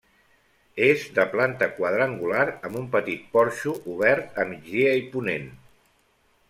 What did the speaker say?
És de planta quadrangular amb un petit porxo obert a migdia i ponent.